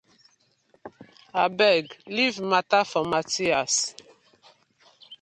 Abeg leave mata for Mathi.